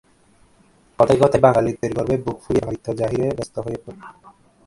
কথায় কথায় বাঙালিত্বের গর্বে বুক ফুলিয়ে বাঙালিত্ব জাহিরে ব্যস্ত হয়ে পড়ে।